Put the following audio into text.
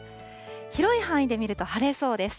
広い範囲で見ると晴れそうです。